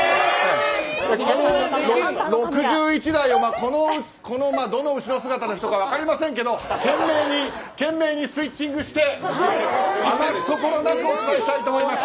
この６１台を、どの後ろ姿の人か分かりませんけど懸命にスイッチングして余すところなくお伝えしたいと思います。